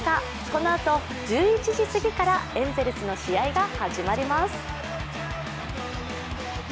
このあと１１時すぎからエンゼルスの試合が始まります。